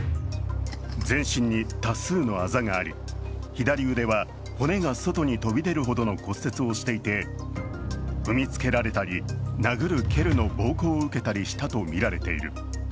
全身に多数のあざがあり、左腕は骨が外に飛び出るほどの骨折をしていて、踏みつけられたり殴る蹴るの暴行を受けたりしたとみられている。